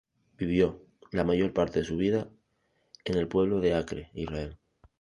Vivió la mayor parte de su vida en el pueblo de Acre, Israel.